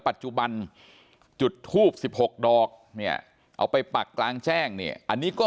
ปัจจุบันจุดทูบ๑๖ดอกเนี่ยเอาไปปักกลางแจ้งเนี่ยอันนี้ก็